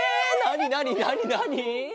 なになになになに！？